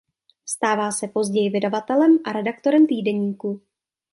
Stává se později vydavatelem a redaktorem týdeníku.